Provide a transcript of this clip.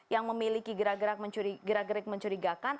yang memiliki gerak gerak mencurigakan